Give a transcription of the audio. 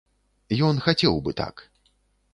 Ён хацеў бы так.